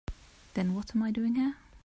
Then what am I doing here?